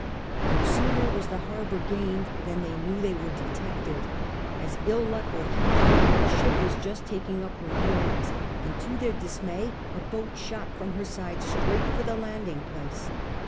No sooner was the harbour gained than they knew they were detected. As ill luck would have it, a ship was just taking up her moorings, and to their dismay a boat shot from her side straight for the landing place.